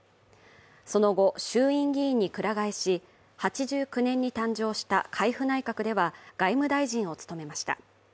その後、衆院議員に鞍替えし、８９年に誕生した海部内閣では外務大臣を務めました。